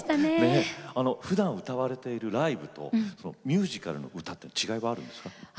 ふだん歌われているタイプとミュージカルの歌で違いがあるんですか。